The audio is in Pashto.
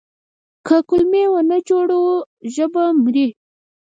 که کلمې ونه جوړو ژبه مري.